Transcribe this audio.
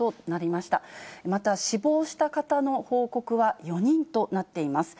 また死亡した方の報告は４人となっています。